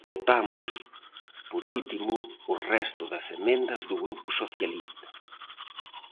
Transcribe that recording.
Votamos, por último, o resto das emendas do Grupo Socialista.